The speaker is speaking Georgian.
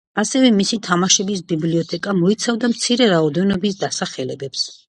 ასევე მისი თამაშების ბიბლიოთეკა მოიცავდა მცირე რაოდენობის დასახელებებს.